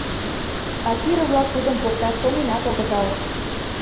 А пире-влак тудым покташ шоненат огытыл.